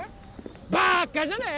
バーカじゃねえ！